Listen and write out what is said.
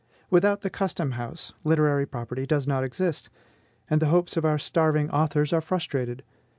Without the custom house, literary property does not exist, and the hopes of our starving authors are frustrated.